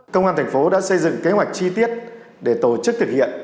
công an thành phố đã xây dựng kế hoạch chi tiết để tổ chức thực hiện